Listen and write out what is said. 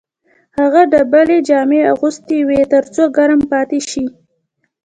هغه ډبلې جامې اغوستې وې تر څو ګرم پاتې شي